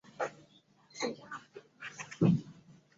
嘉庆八年八月因事革职。